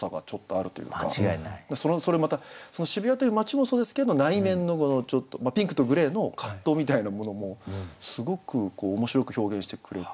それまた渋谷という街もそうですけど内面の「ピンクとグレー」の葛藤みたいなものもすごく面白く表現してくれて好きでした。